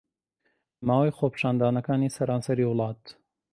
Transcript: لە ماوەی خۆپیشاندانەکانی سەرانسەری وڵات